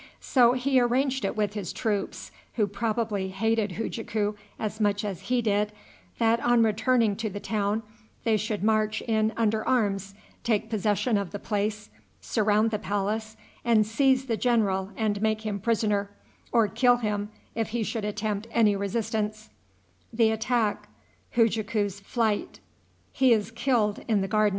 So he arranged it with his troops, who probably hated Hujaku as much as he did, that, on returning to the town, they should march in under arms, take possession of the place, surround the palace, and seize the general and make him prisoner, or kill him if he should attempt any resistance.